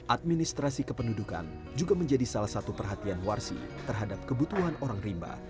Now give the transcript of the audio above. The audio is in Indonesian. administrasi kependudukan juga menjadi salah satu perhatian warsi terhadap kebutuhan orang rimba